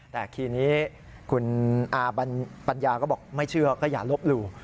แต่ทีนี้คุณอาปัญญาก็บอกไม่เชื่อก็อย่าลบหลู่